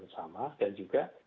sama dan juga